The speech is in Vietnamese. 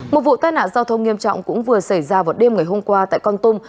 một vụ tai nạn giao thông nghiêm trọng cũng vừa xảy ra vào đêm ngày hôm qua tại con tum